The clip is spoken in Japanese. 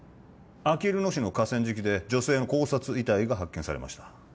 あきる野市の河川敷で女性の絞殺遺体が発見されました